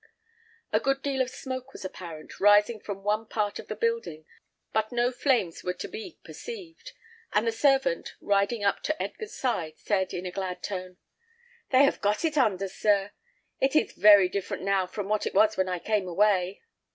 A good deal of smoke was apparent, rising from one part of the building, but no flames were to be perceived, and the servant, riding up to Edgar's side, said, in a glad tone, "They have got it under, sir. It is very different now from what it was when I came away."